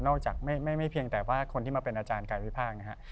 นอกจากไม่เพียงแต่ว่าคนที่มาเป็นอาจารย์กายวิภาคนะครับ